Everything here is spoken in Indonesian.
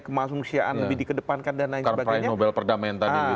kemanusiaan lebih dikedepankan dan lain sebagainya